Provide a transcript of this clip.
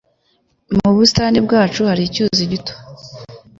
Mu busitani bwacu hari icyuzi gito.